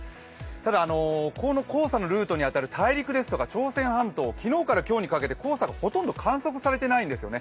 ただ、この黄砂のルートに当たる大陸とか朝鮮半島、昨日から今日にかけて黄砂がほとんど観測されてないんですね。